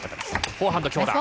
フォアハンド、強打。